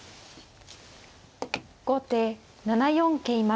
後手７四桂馬。